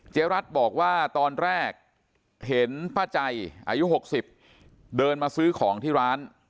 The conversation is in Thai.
รัฐบอกว่าตอนแรกเห็นป้าใจอายุ๖๐เดินมาซื้อของที่ร้าน